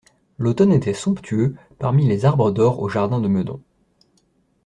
L'automne était somptueux, parmi les arbres d'or au jardin de Meudon.